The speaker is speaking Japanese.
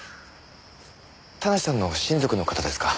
田無さんの親族の方ですか？